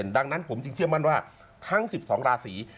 ดังนั้นผมจึงเชื่อมั่นว่าทั้ง๑๒ราศี